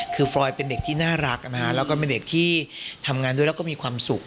คือฟรอยเป็นเด็กที่น่ารักนะฮะแล้วก็เป็นเด็กที่ทำงานด้วยแล้วก็มีความสุข